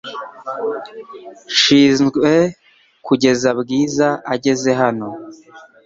Nshinzwe kugeza Bwiza ageze hano .